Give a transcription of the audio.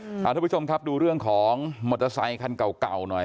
คุณผู้ชมครับดูเรื่องของมอเตอร์ไซคันเก่าเก่าหน่อย